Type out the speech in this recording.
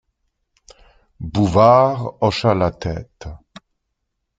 Bouvard hocha la tête.